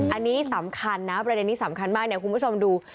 อันนี้สำคัญนะประเด็นนี้สำคัญมากเนี่ยคุณผู้ชมดู